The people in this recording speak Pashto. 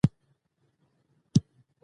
ډېر هوښیار وو په خپل عقل خامتماوو